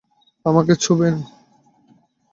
আমাকে ছোঁবে না।